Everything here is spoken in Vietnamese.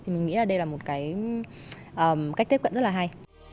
mình nghĩ là đây là một cách tiếp cận rất là hay